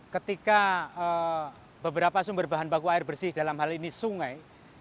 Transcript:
ketika beberapa sumber bahan baku air bersih dalam hal ini sungai